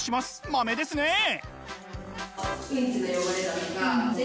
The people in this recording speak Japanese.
マメですねえ。